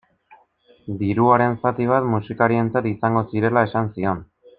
Diruaren zati bat musikarientzat izango zirela esan zion.